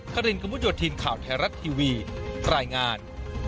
ครินกระมุดโยธินข่าวไทยรัฐทีวีรายงาน